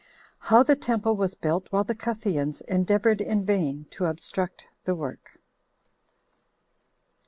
How The Temple Was Built While The Cutheans Endeavored In Vain To Obstruct The Work.